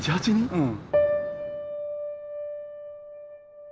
うん。